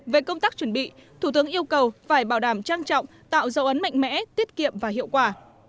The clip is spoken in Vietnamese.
về công tác chuẩn bị thủ tướng yêu cầu phải bảo đảm trang trọng tạo dấu ấn mạnh mẽ tiết kiệm và hiệu quả